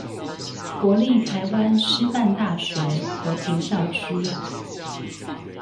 國立臺灣師範大學和平校區